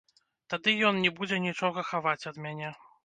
Тады ён не будзе нічога хаваць ад мяне.